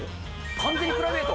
完全にプライベート？